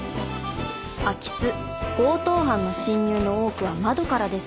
空き巣強盗犯の侵入の多くは窓からです。